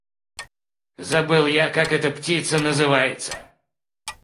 Забыл я, как эта птица называется.